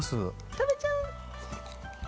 食べちゃう！